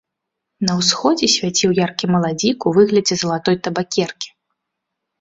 На ўсходзе свяціў яркі маладзік у выглядзе залатой табакеркі.